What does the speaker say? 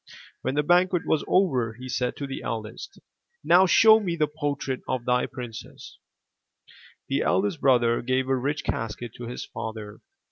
When the banquet was over, he said to the eldest: Now show me the portrait of thy princess." The eldest brother gave a rich casket to his father.